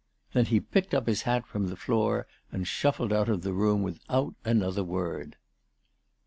Then he picked up his hat from the floor and shuflled out of the room without another word.